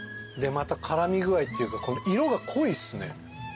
でまた絡み具合っていうか色が濃いっすね。